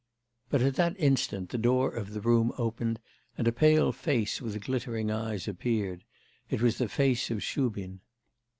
But at that instant the door of the room opened, and a pale face with glittering eyes appeared: it was the face of Shubin.